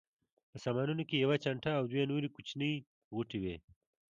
په سامانونو کې یوه چانټه او دوه نورې کوچنۍ غوټې وې.